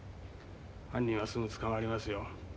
犯人はすぐ捕まりますよ。